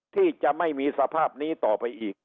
ที่จะไม่มีสภาพนี้ต่อไปอีก